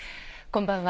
こんばんは。